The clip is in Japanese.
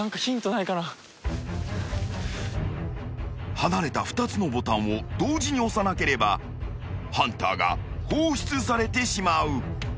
［離れた２つのボタンを同時に押さなければハンターが放出されてしまう］